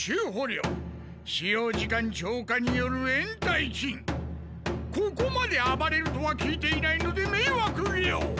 料使用時間超過によるえんたい金ここまであばれるとは聞いていないのでめいわく料！